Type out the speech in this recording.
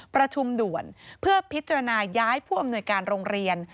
ประชุมด่วนเพื่อพิจารณาย้ายผู้อำนวยการโรงเรียน